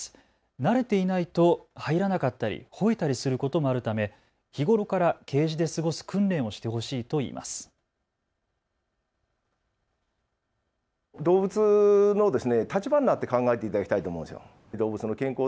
慣れていないと入らなかったり、ほえたりすることもあるため、日頃からケージで過ごす訓練をしてほしいと言います。